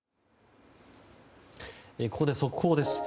ここで速報です。